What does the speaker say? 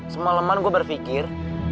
semaleman gue berpikir